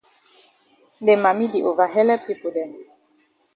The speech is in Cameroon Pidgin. De mami di ova helep pipo dem.